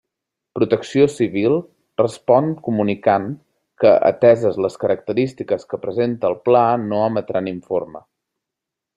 Protecció Civil respon comunicant que, ateses les característiques que presenta el Pla no emetran informe.